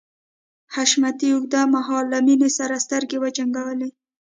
حشمتي اوږد مهال له مينې سره سترګې وجنګولې.